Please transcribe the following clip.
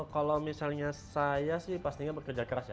kalau misalnya saya sih pastinya bekerja keras ya